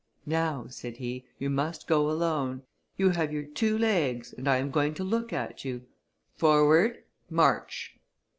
"Now," said he, "you must go alone. You have your two legs, and I am going to look at you. Forward, march!"